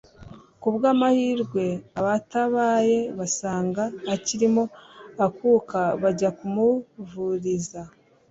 ku bw'amahirwe, abatabaye basanga akirimo akuka, bajya kumuvuriza